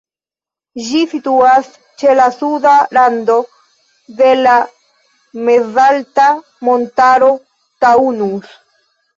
Ĝi situas ĉe la suda rando de la mezalta montaro Taunus.